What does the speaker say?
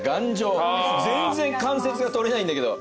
全然関節が取れないんだけど。